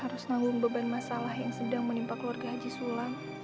harus menanggung beban masalah yang sedang menimpak keluarga haji sulam